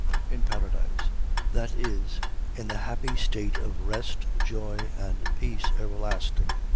In paradise. . .That is, in the happy state of rest, joy, and peace everlasting.